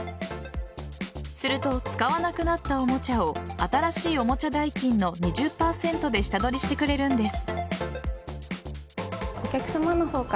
すると使わなくなったおもちゃを新しいおもちゃ代金の２０％で下取りしてくれるんです。